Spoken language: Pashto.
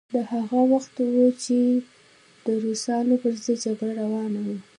دا هغه وخت و چې د روسانو پر ضد جګړه روانه وه.